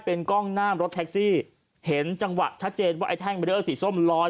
เป็นกล้องหน้ารถแท็กซี่เห็นจังหวะชัดเจนว่าไอ้แท่งเบลอสีส้มลอย